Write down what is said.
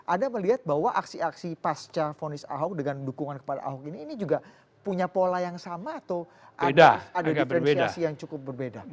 anda melihat bahwa aksi aksi pasca vonis ahok dengan dukungan kepada ahok ini ini juga punya pola yang sama atau ada diferensiasi yang cukup berbeda